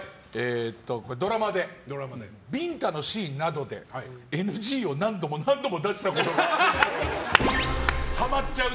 ドラマでビンタのシーンなどでＮＧを何度も何度も出したことあるっぽい。